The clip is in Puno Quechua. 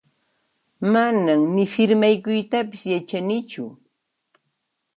Manan ni firmaykuytapas yachanichu